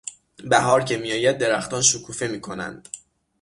بهار که میآید درختان شکوفه میکنند.